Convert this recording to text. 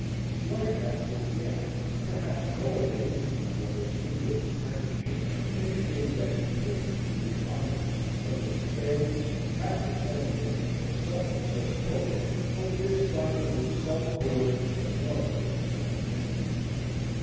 Slight as was the act, perhaps no other incident of their singular companionship indicated as completely the dominance of this careless, half effeminate, but self possessed boy over this doggedly self willed, abnormally excited man.